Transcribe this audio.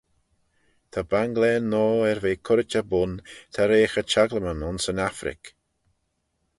Ta banglane noa er ve currit er bun ta reaghey çhaglymyn ayns yn Affrick.